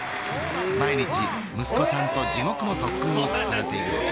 毎日息子さんと地獄の特訓を重ねているのです。